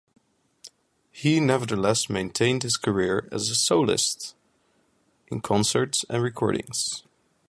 He nevertheless maintained his career as a soloist in concerts and recordings.